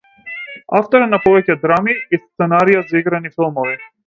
Автор е на повеќе драми и сценарија за играни филмови.